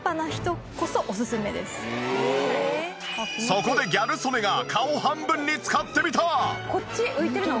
そこでギャル曽根が顔半分に使ってみた！